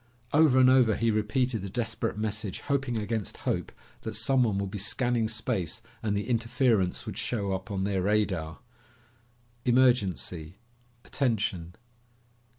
Over and over he repeated the desperate message, hoping against hope that someone would be scanning space and the interference would show up on their radar. "... emergency ... attention